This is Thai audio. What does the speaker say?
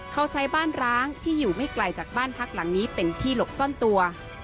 เขาใช้บ้านร้างที่อยู่ไม่ไกลจากบ้านพักหลังนี้เป็นที่หลบซ่อนตัว